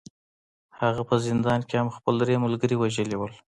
هغه په زندان کې هم خپل درې ملګري وژلي وو